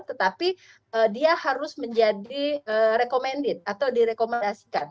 tetapi dia harus menjadi recommended atau direkomendasikan